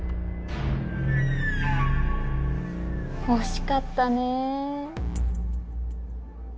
惜しかったね。